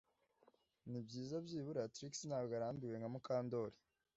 Nibyiza byibura Trix ntabwo arambiwe nka Mukandoli